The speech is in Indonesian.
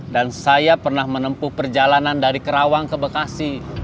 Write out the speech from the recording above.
dan saya pernah menempuh perjalanan dari kerawang ke bekasi